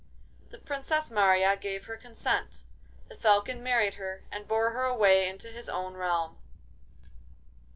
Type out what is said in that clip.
The Princess Marya gave her consent; the Falcon married her and bore her away into his own realm.